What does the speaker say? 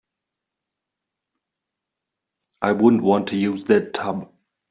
I wouldn't want to use that tub.